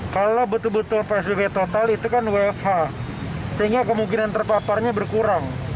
kalau betul betul psbb total itu kan wfh sehingga kemungkinan terpaparnya berkurang